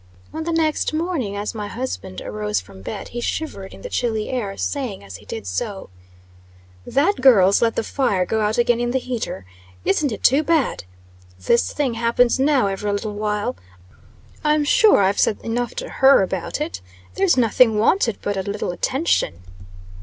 On the next morning, as my husband arose from bed, he shivered in the chilly air, saying, as he did so: "That girl's let the fire go out again in the heater! Isn't it too bad? This thing happens now every little while. I'm sure I've said enough to her about it. There's nothing wanted but a little attention."